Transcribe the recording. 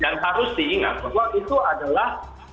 yang harus diingat bahwa itu adalah